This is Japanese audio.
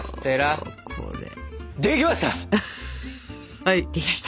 はいできました。